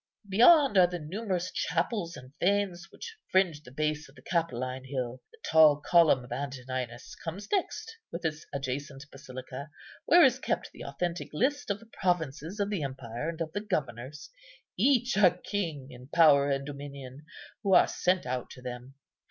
Beyond are the numerous chapels and fanes which fringe the base of the Capitoline hill; the tall column of Antoninus comes next, with its adjacent basilica, where is kept the authentic list of the provinces of the empire, and of the governors, each a king in power and dominion, who are sent out to them.